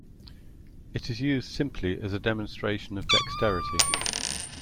It is used simply as a demonstration of dexterity.